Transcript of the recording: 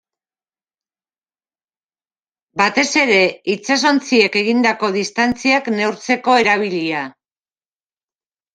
Batez ere itsasontziek egindako distantziak neurtzeko erabilia.